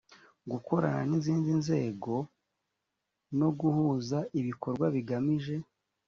gukorana n izindi nzego no guhuza ibikorwa bigamije